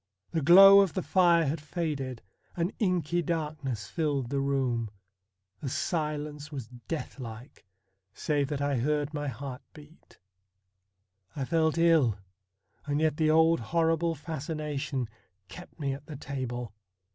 The glow of the fire had faded, an inky darkness filled the room, the silence was death like, save that I heard my heart beat. I felt ill, and yet the old horrible fascination kept me at the table.